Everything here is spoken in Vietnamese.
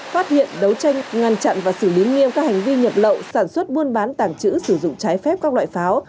phát hiện đấu tranh ngăn chặn và xử lý nghiêm các hành vi nhập lậu sản xuất buôn bán tàng trữ sử dụng trái phép các loại pháo